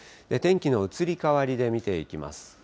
天気の移り変わりで見ていきます。